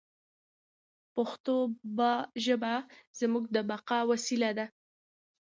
پښتو ژبه زموږ د بقا وسیله ده.